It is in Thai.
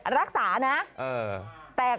รักษานะ